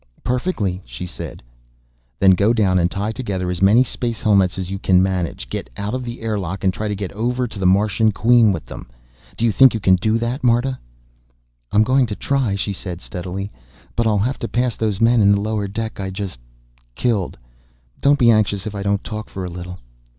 "Perfectly," she said. "Then go down and tie together as many space helmets as you can manage, get out of the airlock, and try to get over here to the Martian Queen with them. Do you think you can do that, Marta?" "I'm going to try," she said steadily. "But I'll have to pass those men in the lower deck I just killed. Don't be anxious if I don't talk for a little."